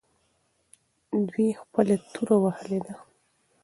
دوی خپله توره وهلې ده.